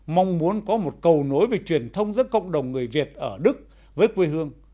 mong muốn có một cầu nối về truyền thông giữa cộng đồng người việt ở đức với quê hương